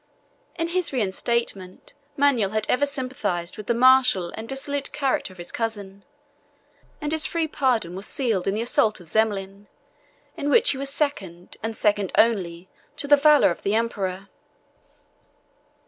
In his resentment Manuel had ever sympathized with the martial and dissolute character of his cousin; and his free pardon was sealed in the assault of Zemlin, in which he was second, and second only, to the valor of the emperor.